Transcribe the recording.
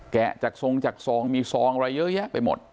จากทรงจากซองมีซองอะไรเยอะแยะไปหมด